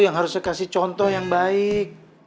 yang harusnya kasih contoh yang baik